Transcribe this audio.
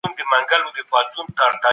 افغانانو پوه شول چې پاچا بې وسه دی.